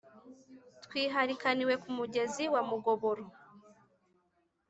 twiharikaniwe ku mugezi wa mugoboro.